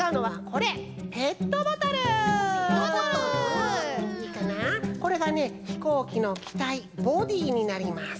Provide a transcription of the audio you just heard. これがねひこうきのきたいボディーになります。